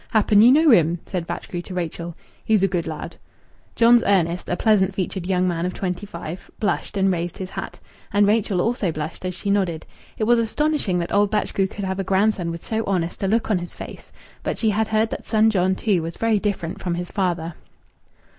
Happen ye know him?" said Batchgrew to Rachel. "He's a good lad." John's Ernest, a pleasant featured young man of twenty five, blushed and raised his hat. And Rachel also blushed as she nodded. It was astonishing that old Batchgrew could have a grandson with so honest a look on his face, but she had heard that son John, too, was very different from his father.